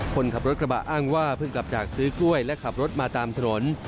คนขับรถกระบะอ้างว่าเพิ่งกลับจากซื้อกล้วยและขับรถมาตามถนน